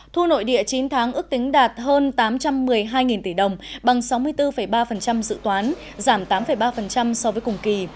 thu nội địa chín tháng ước tính đạt hơn tám trăm một mươi hai tỷ đồng bằng sáu mươi bốn ba dự toán giảm tám ba so với cùng kỳ